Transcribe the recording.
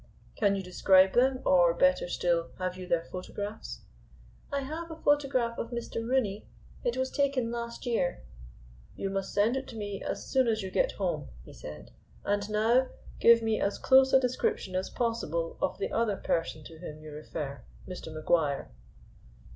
"Can you describe them, or, better still, have you their photographs?" "I have a photograph of Mr. Rooney. It was taken last year." "You must send it to me as soon as you get home," he said; "and now give me as close a description as possible of the other person to whom you refer, Mr. Maguire."